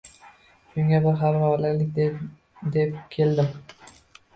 Shunga bir xabar olay, deb keldim.